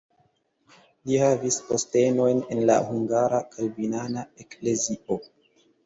Li havis postenojn en la hungara kalvinana eklezio.